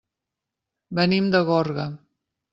Venim de Gorga.